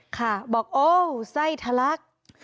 ค่ะบอกโอ้ไส้ทะลัก